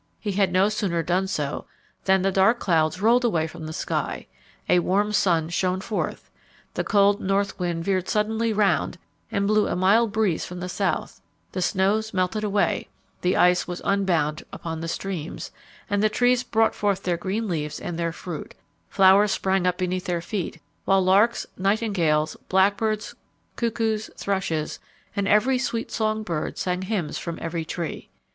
He had no sooner done so, than the dark clouds rolled away from the sky a warm sun shone forth the cold north wind veered suddenly round and blew a mild breeze from the south the snows melted away the ice was unbound upon the streams, and the trees put forth their green leaves and their fruit flowers sprang up beneath their feet, while larks, nightingales, blackbirds, cuckoos, thrushes, and every sweet song bird sang hymns from every tree.